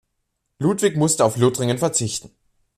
Ludwig musste auf Lothringen verzichten.